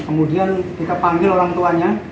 kemudian kita panggil orang tuanya